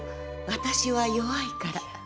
私は弱いから」。